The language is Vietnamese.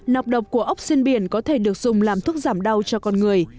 nọc độc của ốc trên biển có thể được dùng làm thuốc giảm đau cho con người